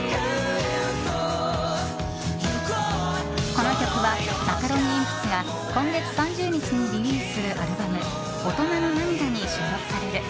この曲は、マカロニえんぴつが今月３０日にリリースするアルバム「大人の涙」に収録される。